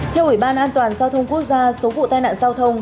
theo ủy ban an toàn giao thông quốc gia số vụ tai nạn giao thông